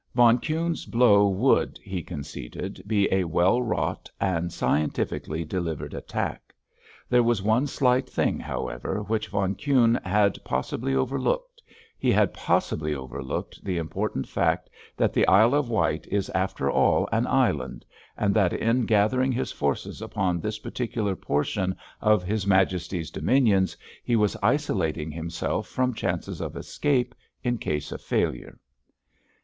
Von Kuhne's blow would, he conceded, be a well wrought and scientifically delivered attack. There was one slight thing, however, which von Kuhne had possibly overlooked—he had possibly overlooked the important fact that the Isle of Wight is after all an island, and that in gathering his forces upon this particular portion of His Majesty's dominions he was isolating himself from chances of escape in case of failure.